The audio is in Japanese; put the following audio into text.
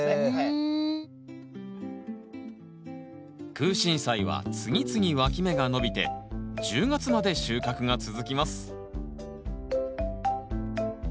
クウシンサイは次々わき芽が伸びて１０月まで収穫が続きます